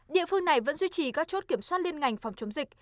địa phương này vẫn duy trì các chốt kiểm soát liên ngành phòng chống dịch